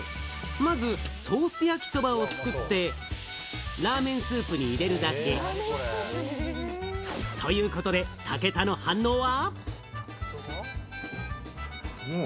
まずソース焼きそばを作って、ラーメンスープに入れるだけ。ということで、武田の反応は？